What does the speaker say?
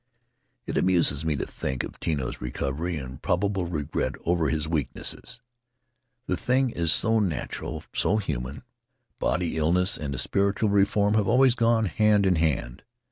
It amuses me to think of Tino's recovery and prob able regret over his weakness — the thing is so natural, so human; bodily illness and spiritual reform have always gone hand in hand.